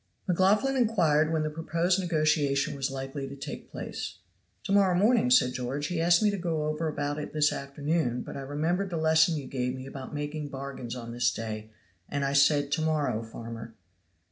McLaughlan inquired when the proposed negotiation was likely to take place. "To morrow morning," said George. "He asked me to go over about it this afternoon, but I remembered the lesson you gave me about making bargains on this day, and I said 'To morrow, farmer.'"